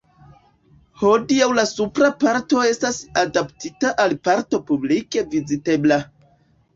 Hodiaŭ la supra parto estas adaptita al parko publike vizitebla.